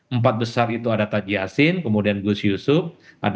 empat besar itu ada taji yassin kemudian gus yusuf ada hendi